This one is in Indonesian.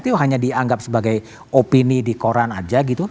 itu hanya dianggap sebagai opini di koran aja gitu